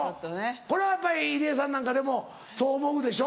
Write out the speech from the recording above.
これはやっぱり入江さんなんかでもそう思うでしょ